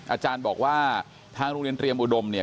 อาจารย์บอกว่าทางโรงเรียนเตรียมอุดมเนี่ย